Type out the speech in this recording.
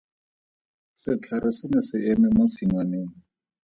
Setlhare se ne se eme mo tshingwaneng.